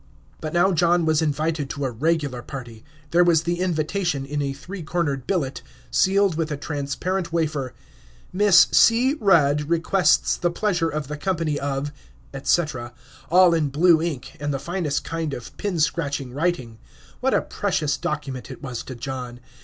But now John was invited to a regular party. There was the invitation, in a three cornered billet, sealed with a transparent wafer: "Miss C. Rudd requests the pleasure of the company of," etc., all in blue ink, and the finest kind of pin scratching writing. What a precious document it was to John!